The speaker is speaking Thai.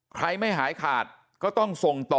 ใครไม่หายขาดก็ต้องส่งต่อ